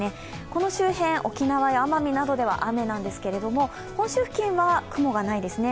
この周辺、沖縄や奄美などでは雨なんですけれども本州付近は雲がないですね。